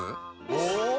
お！